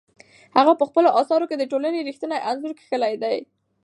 هغه په خپلو اثارو کې د ټولنې رښتینی انځور کښلی دی.